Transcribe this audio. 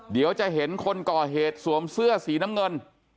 เดี๋ยวจะเห็นคนก่อเหตุสวมเสื้อสีน้ำเงิน